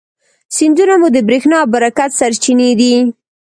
سیندونه مو د برېښنا او برکت سرچینې دي.